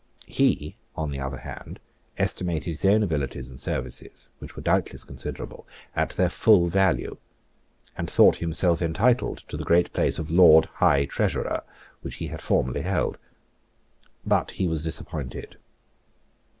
He, on the other hand, estimated his own abilities and services, which were doubtless considerable, at their full value, and thought himself entitled to the great place of Lord High Treasurer, which he had formerly held. But he was disappointed.